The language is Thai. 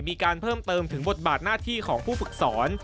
มีการเพิ่มเติมถึงบทบาทหน้าที่ของผู้ฝึกสอน